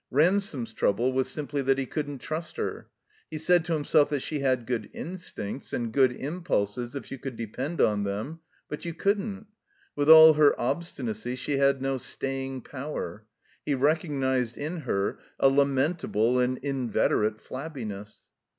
Ransome's trouble was simply that he couldn't trust her. He said to him 178 THE COMBINED MAZE self that she had good instincts and good impulses if you could depend on them. But you couldn't. With all her obstinacy she had no staying power. He recognized in her a lamentable and inveterate flabbiness.